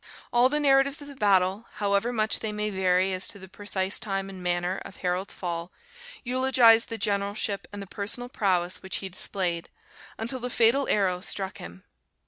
All the narratives of the battle, however much they may vary as to the precise time and manner of Harold's fall, eulogise the generalship and the personal prowess which he displayed, until the fatal arrow struck him.